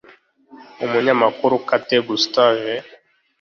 umunyamakuru Kate Gustave